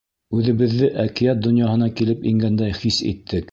Үҙебеҙҙе әкиәт донъяһына килеп ингәндәй хис иттек.